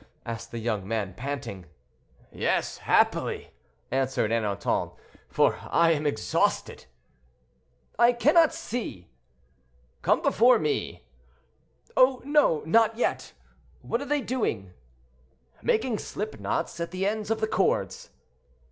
asked the young man, panting. "Yes, happily!" answered Ernanton, "for I am exhausted." "I cannot see." "Come before me." "Oh, no! not yet. What are they doing?" "Making slip knots at the ends of the cords."